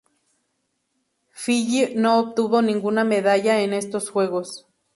Fiyi no obtuvo ninguna medalla en estos juegos.